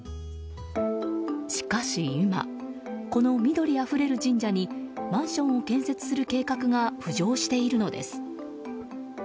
しかし今、この緑あふれる神社にマンションを建設する計画が浮上しているのです。